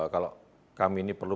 kalau kami ini perlu